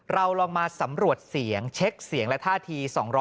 เราลองมาสำรวจเสียงเช็คเสียงและท่าที